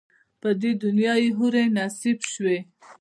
پر دې دنیا یې حوري نصیب سوې